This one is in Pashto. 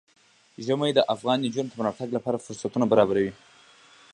ژمی د افغان نجونو د پرمختګ لپاره فرصتونه برابروي.